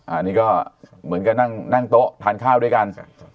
อันนี้ก็เหมือนกันนั่งโต๊ะทานข้าวด้วยกัน